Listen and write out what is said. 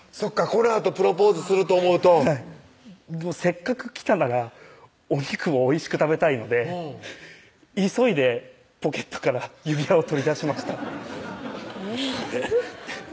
このあとプロポーズすると思うとせっかく来たならお肉をおいしく食べたいので急いでポケットから指輪を取り出しましたえっえっ？